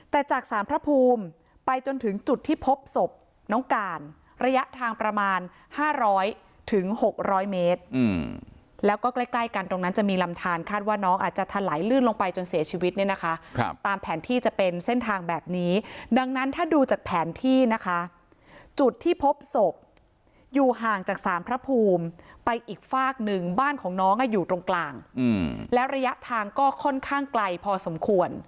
แต่จากสารพระภูมิไปจนถึงจุดที่พบศพน้องการระยะทางประมาณ๕๐๐๖๐๐เมตรแล้วก็ใกล้ใกล้กันตรงนั้นจะมีลำทานคาดว่าน้องอาจจะถลายลื่นลงไปจนเสียชีวิตเนี่ยนะคะตามแผนที่จะเป็นเส้นทางแบบนี้ดังนั้นถ้าดูจากแผนที่นะคะจุดที่พบศพอยู่ห่างจากศาลพระภูมิไปอีกฝากหนึ่งบ้านของน้องอยู่ตรงกลางแล้วระยะทางก็ค่อนข้างไกลพอสมควร